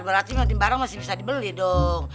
berarti nanti barang masih bisa dibeli dong